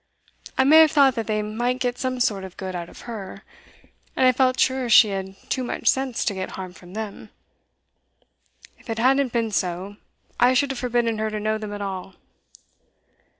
I may have thought that they might get some sort of good out of her, and I felt sure she had too much sense to get harm from them. If it hadn't been so, I should have forbidden her to know them at all.